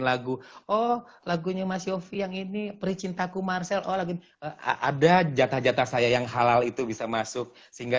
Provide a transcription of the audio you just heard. lagunya mas yofi yang ini percinta ku marcel ada jatah jatah saya yang halal itu bisa masuk sehingga